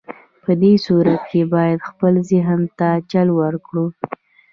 په دې صورت کې بايد خپل ذهن ته چل ورکړئ.